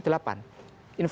inflasi tujuh artinya apa